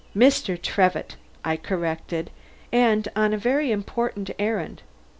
"Mr. Trevitt," I corrected; "and on a very important errand.